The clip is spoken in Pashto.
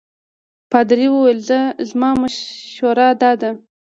پادري وویل زما مشوره دا ده.